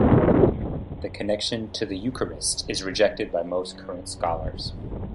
The connection to the eucharist is rejected by most current scholars.